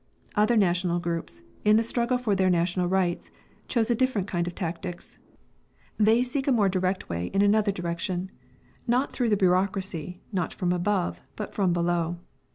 Other national groups, in the struggle for their national rights, choose a different kind of tactics: they seek a more direct way in another direction, not through the bureaucracy, not from above, but from below.